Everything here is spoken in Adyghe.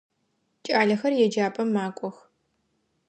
Кӏалэхэр еджапӏэм макӏох.